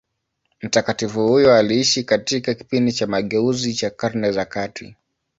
Mtakatifu huyo aliishi katika kipindi cha mageuzi cha Karne za kati.